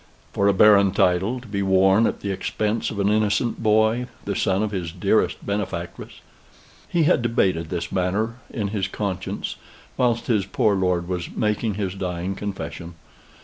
for a barren title, to be worn at the expense of an innocent boy, the son of his dearest benefactress. He had debated this matter in his conscience, whilst his poor lord was making his dying confession.